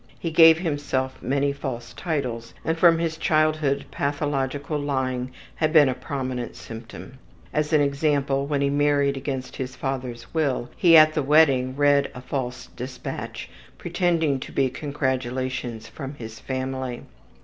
He gave himself many false titles, and from his childhood pathological lying had been a prominent symptom. As an example, when he married against his father's will, he at the wedding read a false dispatch, pretending it to be congratulations from his family.